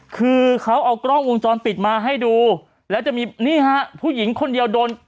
คือเขาเอากล้องวงจรปิดมาให้ดูแล้วจะมีนี่ฮะผู้หญิงคนเดียวโดน